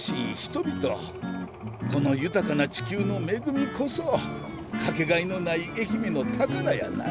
この豊かな地球の恵みこそ掛けがえのない愛媛の宝やな。